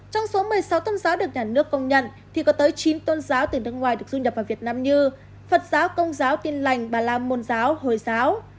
trong số một mươi sáu tôn giáo được nhà nước công nhận thì có tới chín tôn giáo từ nước ngoài được du nhập vào việt nam như phật giáo công giáo tin lành bà la môn giáo hồi giáo